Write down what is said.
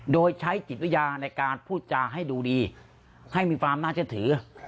โดยใช้จิตวิญญาณในการพูดจาให้ดูดีให้มีความน่าเชื่อถือ